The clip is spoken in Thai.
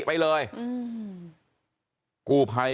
บอกแล้วบอกแล้วบอกแล้ว